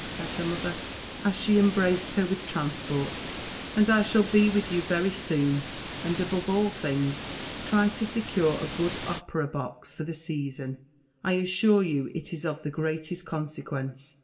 said her mother, as she embraced her with transport, "and I shall be with you very soon; and, above all things, try to secure a good opera box for the season. I assure you it is of the greatest consequence."